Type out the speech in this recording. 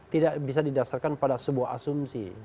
tidak bisa didasarkan pada sebuah asumsi